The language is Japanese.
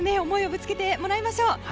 思いをぶつけてもらいましょう！